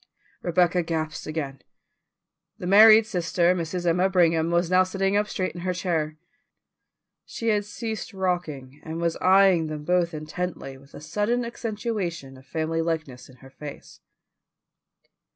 Rebecca gasped again. The married sister, Mrs. Emma Brigham, was now sitting up straight in her chair; she had ceased rocking, and was eyeing them both intently with a sudden accentuation of family likeness in her face.